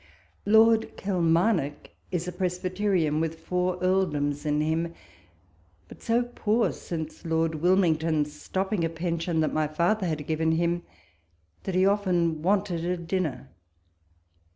Lord Kilmarnock is a Presbyterian, with four earldoms in him, but so poor since Lord Wilmington's stopping a pension that my father had given him, that he often wanted a dinner.